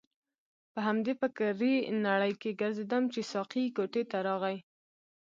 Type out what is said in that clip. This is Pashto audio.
په همدې فکرې نړۍ کې ګرځیدم چې ساقي کوټې ته راغی.